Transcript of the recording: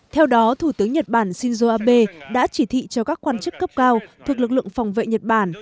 theo đó thủ tướng nhật bản shinzo abe đã chỉ thị cho các quan chức cấp cao thuộc lực lượng phòng vệ nhật bản